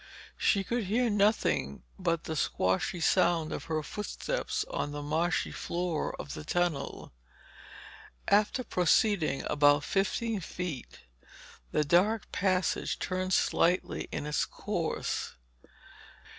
She could hear nothing but the squashy sound of her footsteps on the marshy floor of the tunnel. After proceeding about fifteen feet, the dark passage turned slightly in its course.